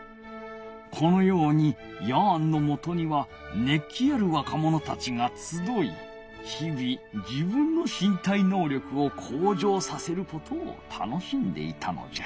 このようにヤーンのもとにはねっ気あるわかものたちがつどいひび自分のしん体のう力をこう上させることを楽しんでいたのじゃ。